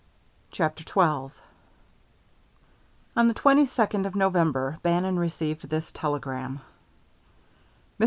CHAPTER XII On the twenty second of November Bannon received this telegram: MR.